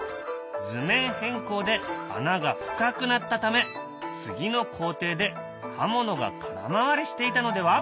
図面変更で穴が深くなったため次の工程で刃物が空回りしていたのでは？